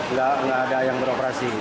nggak ada yang beroperasi